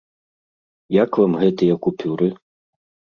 Як вам гэтыя купюры?